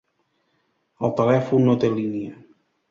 El telèfon no té línia.